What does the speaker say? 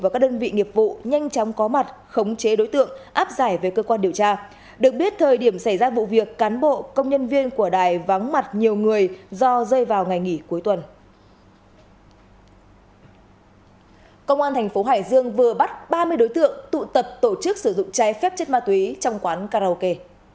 công an thành phố hải dương vừa bắt ba mươi đối tượng tụ tập tổ chức sử dụng trái phép chất ma túy trong quán karaoke